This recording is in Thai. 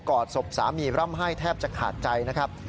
อดศพสามีร่ำไห้แทบจะขาดใจนะครับ